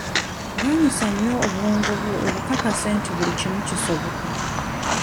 Lwanyisa nnyo obwongo bwo obukakase nti buli kimu kisoboka.